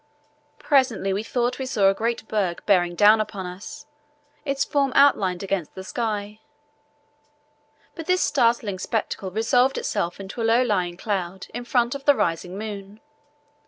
Presently we thought we saw a great berg bearing down upon us, its form outlined against the sky, but this startling spectacle resolved itself into a low lying cloud in front of the rising moon.